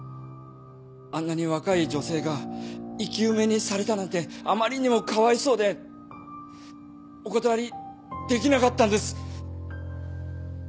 あんなに若い女性が生き埋めにされたなんてあまりにもかわいそうでお断りできなかったんです。